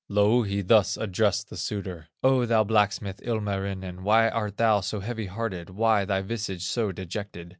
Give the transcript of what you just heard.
Louhi thus addressed the suitor: "O thou blacksmith, Ilmarinen, Why art thou so heavy hearted, Why thy visage so dejected?